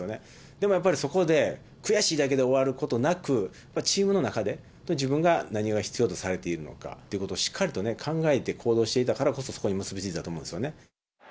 でもやっぱりそこで、悔しいだけで終わることなく、チームの中で、自分が何を必要とされているのかということをしっかりと考えて行動していたからこそ、そこに結び付いたと思うんですよね。